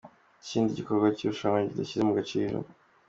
"Iki ni ikindi gikorwa cy'irushanwa ridashyize mu gaciro.